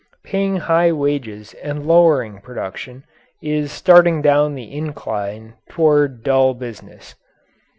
Paying high wages and lowering production is starting down the incline toward dull business.